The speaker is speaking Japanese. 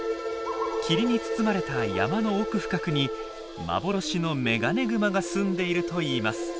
霧に包まれた山の奥深くに幻のメガネグマが住んでいるといいます。